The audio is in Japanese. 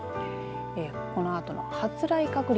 このあとの発雷確率